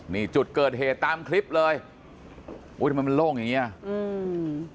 นี่จุดเกิดเหตุตามคลิปเลยอุ้ยทำไมมันโล่งอย่างเงี้ยอืม